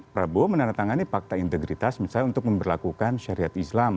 prabowo menandatangani fakta integritas misalnya untuk memperlakukan syariat islam